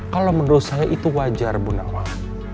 kalau menurut saya itu wajar bu nakal